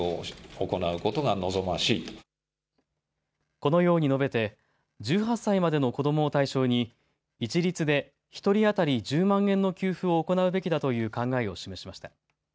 このように述べて１８歳までの子どもを対象に一律で１人当たり１０万円の給付を行うべきだという考えを示しました。